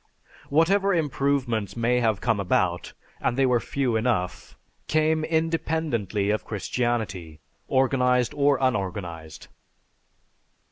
Whatever improvements may have come about, and they were few enough, came independently of Christianity, organized or unorganized.